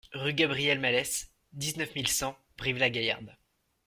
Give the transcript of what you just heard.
Rue Gabriel Malès, dix-neuf mille cent Brive-la-Gaillarde